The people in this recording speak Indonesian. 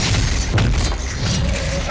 air baja baju datang